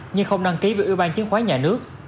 nhưng không đăng ký với ủy ban chứng khoán nhà nước